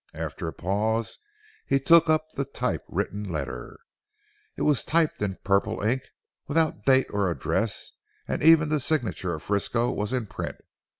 After a pause he took up the typewritten letter. It was typed in purple ink, was without date or address, and even the signature of Frisco was in print.